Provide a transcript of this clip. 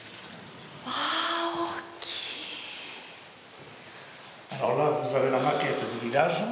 わあ大きい！